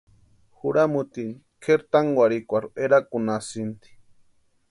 Juramutini kʼeri tánkwarhikwarhu erakunhantasïnti.